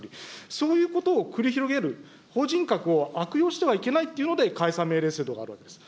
そういうことを繰り広げる法人格を悪用してはいけないというので、解散命令制度があるわけです。